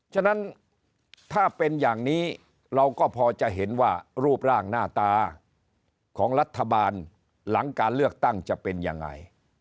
ฉะนั้นถ้าเป็นอย่างนี้เราก็พอจะเห็นว่ารูปร่างหน้าตาของรัฐบาลหลังการเลือกตั้งจะเป็นยังไง